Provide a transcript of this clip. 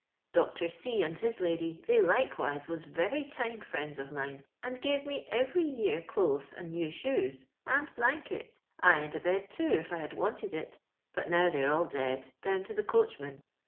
" Dr. C "and his lady, they, likewise, was verj' kind ftiends of mine, and gave me ereir year clothes, and new shoes, and blankets, aye, and a bed, too, if I liod wanted it ; bat nov they are all dead, down to the coachman.